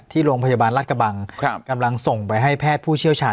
ที่โรงพยาบาลรัฐกระบังกำลังส่งไปให้แพทย์ผู้เชี่ยวชาญ